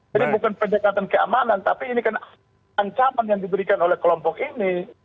jadi bukan penjagaan keamanan tapi ini kan ancaman yang diberikan oleh kelompok ini